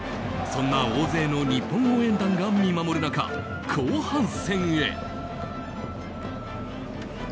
そんな大勢の日本応援団が見守る中、後半戦へ。